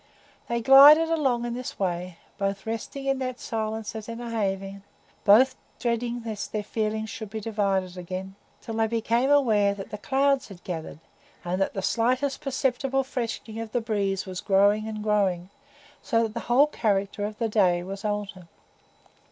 They glided along in this way, both resting in that silence as in a haven, both dreading lest their feelings should be divided again,—till they became aware that the clouds had gathered, and that the slightest perceptible freshening of the breeze was growing and growing, so that the whole character of the day was altered.